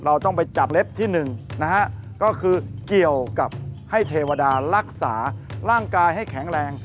เราต้องไปจับเล็บที่๑นะฮะก็คือเกี่ยวกับให้เทวดารักษาร่างกายให้แข็งแรง